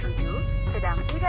kenapa tidak bisa